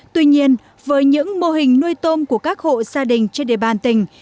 tuy nhiên với những mô hình nuôi tôm của các hộ gia đình trên địa bàn tỉnh